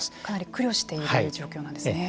苦慮している状況なんですね。